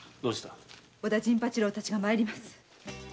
小田陣八郎たちが参ります。